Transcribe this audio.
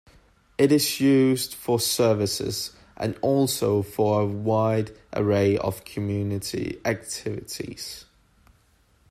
It is used for services, and also for a wide array of community activities.